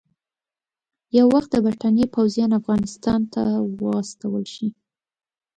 یو وخت د برټانیې پوځیان افغانستان ته واستول شي.